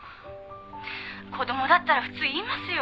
子供だったら普通言いますよ。